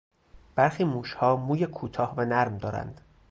برخی موشها موی کوتاه و نرم دارند.